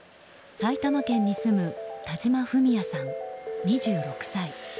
埼玉県に住む田島史也さん、２６歳。